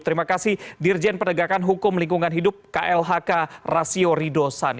terima kasih dirjen pernegakan hukum lingkungan hidup klhk rasio ridho san